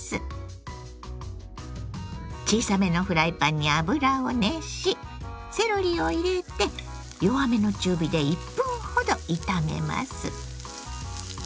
小さめのフライパンに油を熱しセロリを入れて弱めの中火で１分ほど炒めます。